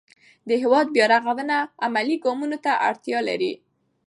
د هېواد بیا رغونه عملي ګامونو ته اړتیا لري.